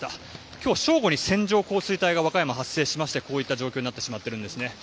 今日正午に線状降水帯が和歌山は発生しましてこういった状況になってしまっているんですね。